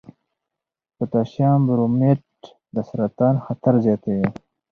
پوټاشیم برومیټ د سرطان خطر زیاتوي.